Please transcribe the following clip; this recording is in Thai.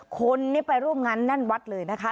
คนไปร่วมงั้นนั่นวัดเลยนะคะ